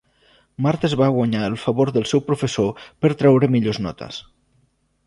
Marta es va guanyar el favor del seu professor per treure millors notes.